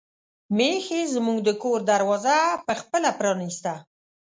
میښې زموږ د کور دروازه په خپله پرانیسته.